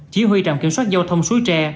chỉ huy trạm kiểm soát giao thông suối tre